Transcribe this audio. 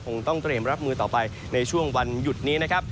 คงต้องเตรียมรับมือต่อไปในช่วงวันหยุดนี้นะครับ